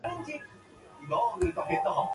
There are several variations on the perch pole.